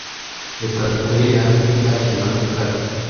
Reka dukorere hamwe byavuzwe na mugabe